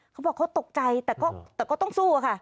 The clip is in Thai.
เขาบอกเขาตกใจแต่ก็ต้องสู้อะค่ะ